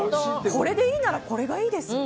これでいいならこれがいいですよね。